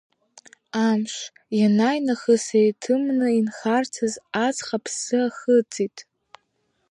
Амш, иании нахыс еиҭымны инхарцаз, аҵх аԥсы ахыҵит.